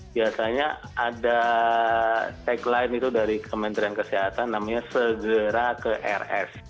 biasanya ada tagline itu dari kementerian kesehatan namanya segera ke rs